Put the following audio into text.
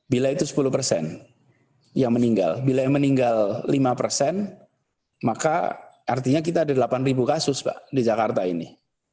bila itu sepuluh persen yang meninggal bila yang meninggal lima persen maka artinya kita ada delapan kasus pak di jakarta ini